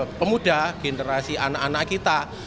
generasi pemuda generasi anak anak kita